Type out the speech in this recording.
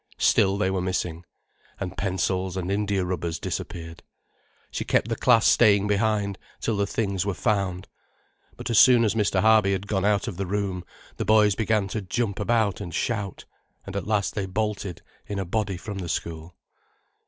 Still they were missing. And pencils and india rubbers disappeared. She kept the class staying behind, till the things were found. But as soon as Mr. Harby had gone out of the room, the boys began to jump about and shout, and at last they bolted in a body from the school.